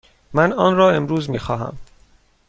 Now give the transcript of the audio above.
من آن را امروز می خواهم.